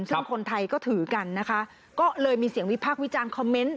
ซึ่งคนไทยก็ถือกันนะคะก็เลยมีเสียงวิพากษ์วิจารณ์คอมเมนต์